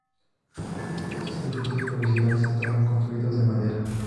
Estos edificios provisionales estaban construidos de madera.